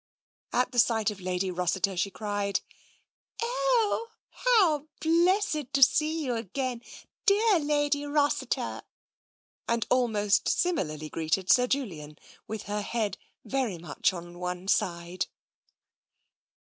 At the sight of Lady Rossiter she cried : "Eoh! heow blessed to see you again, dear Lady Rahsittur !" and almost similarly greeted Sir Julian, with her head very much on one side.